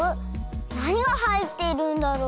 なにがはいっているんだろう？